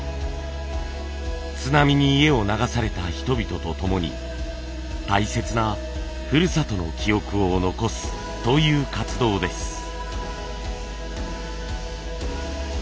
津波に家を流された人々とともに大切なふるさとの記憶を残すという活動です。